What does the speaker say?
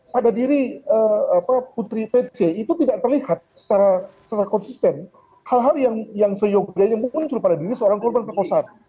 pada diri putri pc itu tidak terlihat secara konsisten hal hal yang seyogianya muncul pada diri seorang korban perkosaan